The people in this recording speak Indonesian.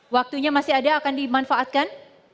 waktunya masih ada akan dimanfaatkan